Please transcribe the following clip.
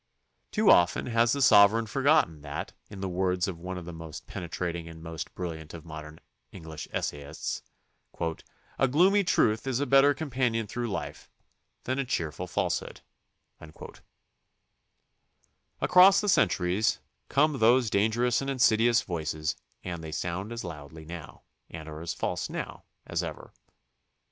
Too often has the sovereign forgotten that, in the words of one of the most penetrating and most brilliant of modern English essayists, "a gloomy truth is a better companion through life than a cheerful 86 THE CONSTITUTION AND ITS MAKERS falsehood." Across the centuries come those danger ous and insidious voices and they sound as loudly now and are as false now as ever.